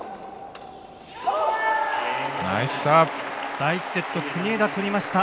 第１セット国枝とりました。